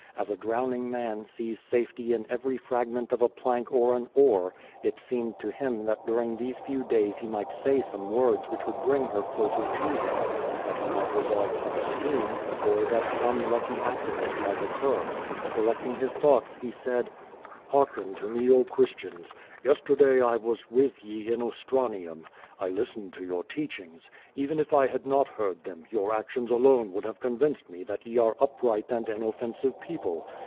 As a drowning man sees safety in every fragment of a plank or an oar, so it seem ed to him that during these few days he might say some words which would bring her closer to him, that he might revolve some scheme, or that some lucky accident might occur. (Collecting his thoughts, he said: "Hearken to me, oh, Christians! Yesterday I was with ye in Ostranium. I listened to your teachings. Even if I had not heard them, your actions alone would have convinced me that ye are upright and inoffensive people.